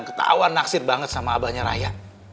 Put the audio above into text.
ketawa naksir banget sama abahnya raya